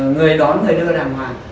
người đón người đưa đàng hoàng